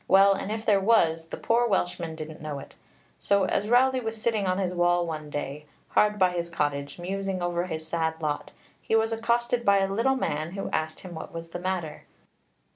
Well, and if there was, the poor Welshman didn't know it. So as Rowli was sitting on his wall one day, hard by his cottage, musing over his sad lot, he was accosted by a little man who asked him what was the matter.